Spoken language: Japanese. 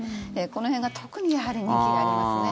この辺が特に人気がありますね。